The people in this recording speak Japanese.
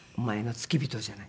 付き人じゃない？